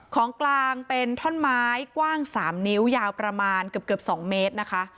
ของกลางเป็นท่อนไม้กว้าง๓นิ้วยาวประมาณเกือบ๒เมตรนะคะ